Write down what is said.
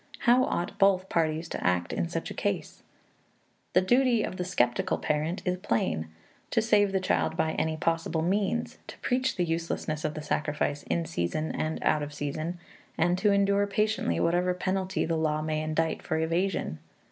How ought both parties to act in such a case? The duty of the skeptical parent is plain: to save the child by any possible means, to preach the uselessness of the sacrifice in season and out of season, and to endure patiently whatever penalty the law may indict for evasion.